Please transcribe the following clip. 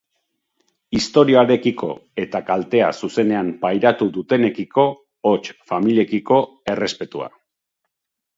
Istorioarekiko eta kaltea zuzenean pairatu dutenekiko, hots familiekiko, errespetua.